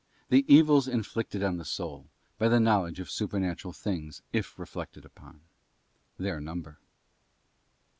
.The ae inflicted on the soul by the knowledge of Supernatural things if reflected upon, Their number.